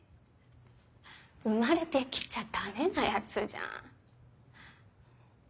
生まれて来ちゃダメなやつじゃん。